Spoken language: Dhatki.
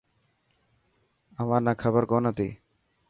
اوهان نا کبر ڪون هتي.